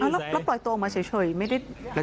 แล้วปล่อยตัวออกมาเฉยไม่ได้